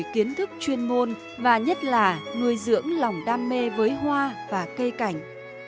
kiến thức chuyên môn và nhất là nuôi dưỡng lòng đam mê với hoa và cây cảnh